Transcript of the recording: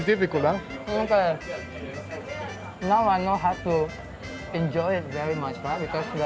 sekarang aku tahu bagaimana menikmatinya dengan sangat banyak karena kamu harus menggunakannya